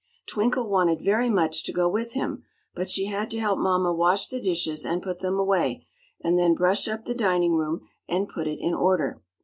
Twinkle wanted very much to go with him, but she had to help mamma wash the dishes and put them away, and then brush up the dining room and put it in order.